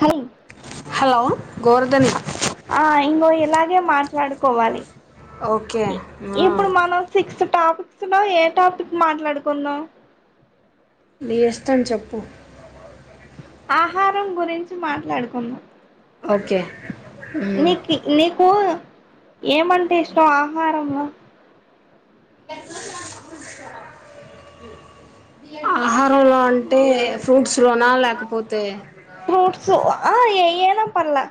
Hi hello Govardhani ఆ ఇంగో ఇలాగే మాట్లాడుకోవాలి ఓకే ఆ, ఇప్పుడు మనం సిక్స్ టాపిక్స్ లో ఏ టాపిక్ మాట్లాడుకుందాం నీ ఇష్టం చెప్పు ఆహారం గురించి మాట్లాడుకుందాం ఓకే ఉమ్. నీకి నీకు ఏమంటే ఇష్టం ఆహారంలో ఎట్లు [unintelligible] ఆహారంలో అంటే ఫ్రూట్స్ లోనా లేకపోతే ఫ్రూట్సు ఆ ఏ ఐనా పర్లే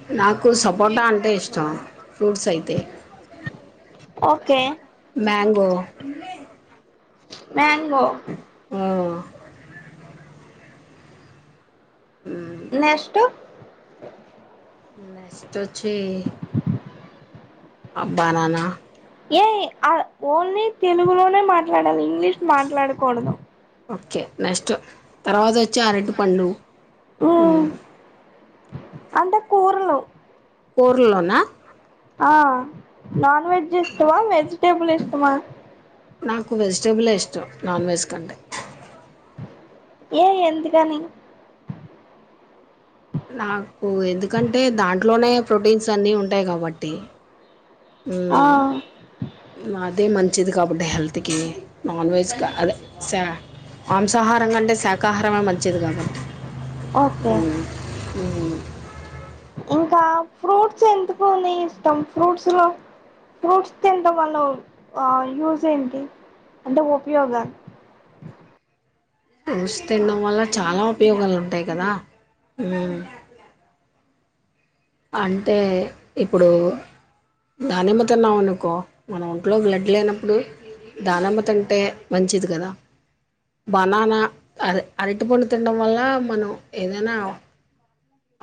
ఆ నాకు సపోటా అంటే ఇష్టం ఫ్రూట్స్ అయితే okay mango mango um um, next next వచ్చి బనానా ఏ అ ఓన్లీ తెలుగులోనే మాట్లాడాలి ఇంగ్లీష్ మాట్లాడకూడదు ఓకే నెక్స్ట్ తర్వాత వచ్చి అరటిపండు అంటే కూరలు కూరల్లోనా ఆ నాన్ వెజ్ ఇష్టమా వెజిటేబుల్ ఇష్టమా నాకు వెజిటేబులే ఇష్టం నాన్ వెజ్ కంటే ఏ ఎందుకని నాకు ఎందుకంటే దాంట్లోనే ప్రోటీన్స్ అన్నీ ఉంటాయి కాబట్టి ఆ నా అదే మంచిది కాబట్టి హెల్త్కి నాన్ వెజ్కి అదే శా మాంసాహారం కంటే శాకాహారమే మంచిది కాబట్టి ఓకే ఉమ్ ఇంకా ఫ్రూట్స్ ఎందుకు నీ ఇష్టం ఫ్రూట్స్ లో ఫ్రూట్స్ తినటం వల్ల ఆ యూజ్ ఏంటి అంటే ఉపయోగాలు ఫ్రూస్ తినడం వల్ల చాలా ఉపయోగాలు ఉంటాయి కదా హ్మ్మ్ అంటే ఇప్పుడు దానిమ్మ తిన్నాం అనుకో మన ఒంట్లో బ్లడ్ లేనప్పుడు దానమ్మ తింటే మంచిది కదా బనానా అది అరటి పండు తినడం వల్ల మనం ఏదైనా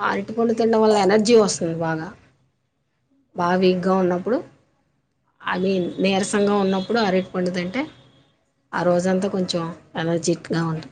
అరటి పళ్ళు తినడం వల్ల ఎనర్జీ వస్తుంది బాగా బాగా వీక్గా ఉన్నప్పుడు ఐ మీన్ నీరసంగా ఉన్నప్పుడు అరటి పండు తింటే ఆ రోజంతా కొంచెం ఎనర్జిక్గా ఉంట